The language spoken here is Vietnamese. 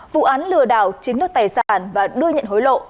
vụ án lừa đảo chiếm đất tài sản và đưa nhận hối lộ